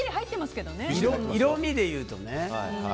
色味でいうとね。